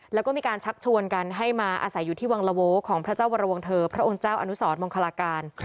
แล้วก็มีการชักชวนกันให้มาอาศัยอยู่ที่วังละโว้ของพระเจ้าวรวงเธอพระองค์เจ้าอนุสรมังคลาการ